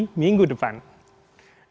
atau bisa menjadi soundbath di minggu depan